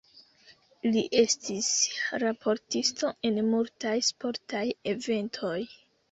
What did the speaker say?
Li estis raportisto en multaj sportaj eventoj.